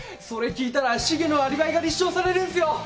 それ聞いたらシゲのアリバイが立証されるんすよ！